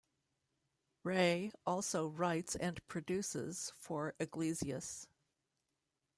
Rey also writes and produces for Iglesias.